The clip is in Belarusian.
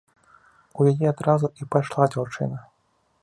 У яе адразу і пайшла дзяўчына.